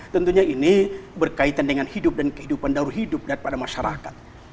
tentunya ini berkaitan dengan hidup dan kehidupan daur hidup daripada masyarakat